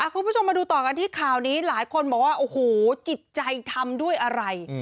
คุณผู้ชมมาดูต่อกันที่ข่าวนี้หลายคนบอกว่าโอ้โหจิตใจทำด้วยอะไร